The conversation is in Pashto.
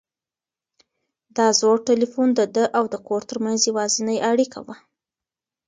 دا زوړ تلیفون د ده او د کور تر منځ یوازینۍ اړیکه وه.